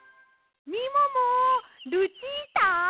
・みももルチータ！